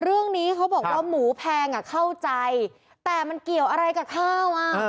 เรื่องนี้เขาบอกว่าหมูแพงอ่ะเข้าใจแต่มันเกี่ยวอะไรกับข้าวอ่ะ